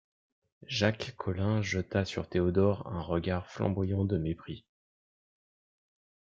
Jacques Collin jeta sur Théodore un regard flamboyant de mépris.